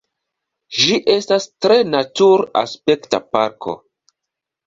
Ĝi estas tre natur-aspekta parko.